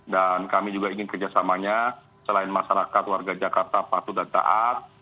dan kami juga ingin kerjasamanya selain masyarakat warga jakarta patuh dan taat